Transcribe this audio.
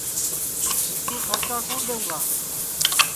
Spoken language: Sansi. مِسکُو کھرچا کُوٹؔ دؔیوں گا